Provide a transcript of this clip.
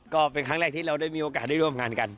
ก็เป็นครั้งแรกที่เราได้มีโอกาสได้ร่วมงานกัน